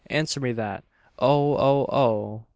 Answer me that! Oh! oh! oh!"